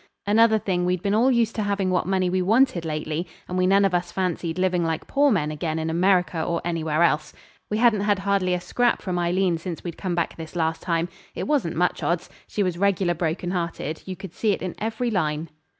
Another thing, we'd been all used to having what money we wanted lately, and we none of us fancied living like poor men again in America or anywhere else. We hadn't had hardly a scrap from Aileen since we'd come back this last time. It wasn't much odds. She was regular broken hearted; you could see it in every line.